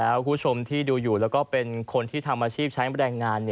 แล้วคุณผู้ชมที่ดูอยู่แล้วก็เป็นคนที่ทำอาชีพใช้แรงงาน